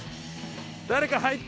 誰か入って！